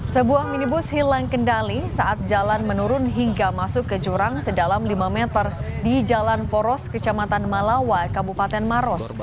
sebuah minibus hilang kendali saat jalan menurun hingga masuk ke jurang sedalam lima meter di jalan poros kecamatan malawa kabupaten maros